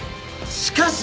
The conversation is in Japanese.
しかし。